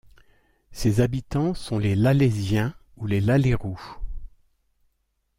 Ses habitants sont les Lalleysiens ou les Lalleyroux.